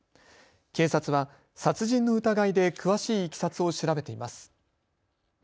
警察は殺人の疑いで詳しいいきさつを調べています。